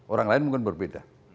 orang lain mungkin berbeda